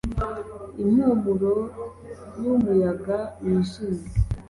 Impumuro yumuyaga wijimye